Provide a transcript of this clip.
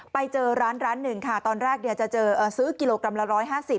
ไปเจอร้านหนึ่งตอนแรกจะซื้อกิโลกรัมละ๑๕๐